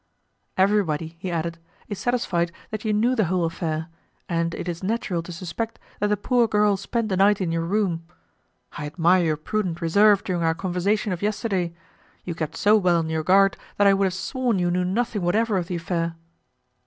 "Everybody," he added, "is satisfied that you knew the whole affair, and it is natural to suspect that the poor girl spent the night in your room. I admire your prudent reserve during our conversation of yesterday. You kept so well on your guard that I would have sworn you knew nothing whatever of the affair."